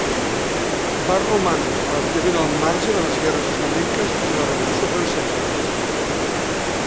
Va romandre relativament al marge de les guerres flamenques i de la Revolució Francesa.